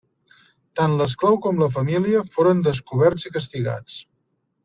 Tant l'esclau com la família foren descoberts i castigats.